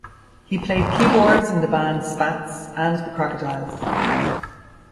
He played keyboards in the bands Spats, and The Crocodiles.